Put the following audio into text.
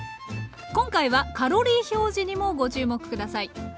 今回はカロリー表示にもご注目下さい。